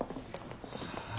はあ。